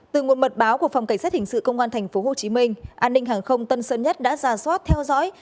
từ nguồn mật báo của phòng cảnh sát hình sự công an tp hcm an ninh hàng không tân sơn nhất đã giả soát theo dõi